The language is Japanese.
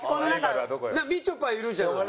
みちょぱいるじゃない。